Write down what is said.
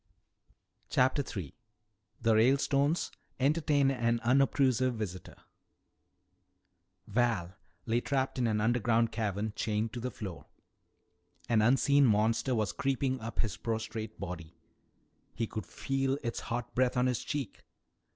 CHAPTER III THE RALESTONES ENTERTAIN AN UNOBTRUSIVE VISITOR Val lay trapped in an underground cavern, chained to the floor. An unseen monster was creeping up his prostrate body. He could feel its hot breath on his cheek.